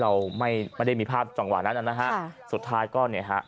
เราไม่ไม่ได้มีภาพจังหวะนั้นนะฮะสุดท้ายก็เนี่ยฮะ